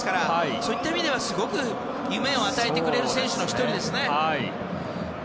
そういった意味ではすごく夢を与えてくれる選手の１人ですね。